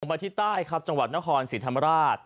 ไปที่ใต้ครับจังหวัดนครศรีธรรมราช